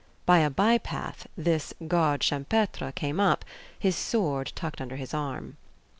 By a bypath this garde champetre came up, his sword tucked under his arm.